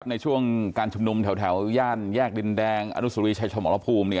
ในช่วงการชุมนุมแถวย่านแยกดินแดงอนุสุรีชายชมรภูมิ